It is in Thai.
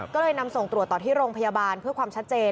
ก็เลยนำส่งตรวจต่อที่โรงพยาบาลเพื่อความชัดเจน